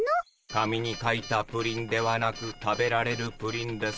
「紙に書いたプリンではなく食べられるプリン」ですね？